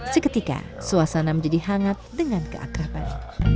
seketika suasana menjadi hangat dengan keakrapan